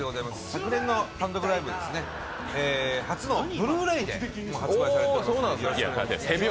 昨年の単独ライブですね、初のＢｌｕ−ｒａｙで発売されてます。